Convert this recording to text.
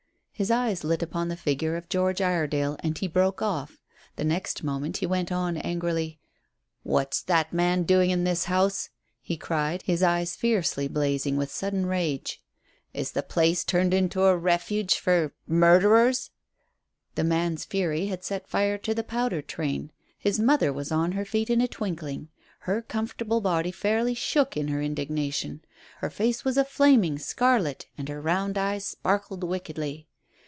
His eyes lit upon the figure of George Iredale, and he broke off. The next moment he went on angrily "What's that man doing in this house?" he cried, his eyes fairly blazing with sudden rage. "Is the place turned into a refuge for murderers?" The man's fury had set fire to the powder train. His mother was on her feet in a twinkling. Her comfortable body fairly shook in her indignation. Her face was a flaming scarlet, and her round eyes sparkled wickedly.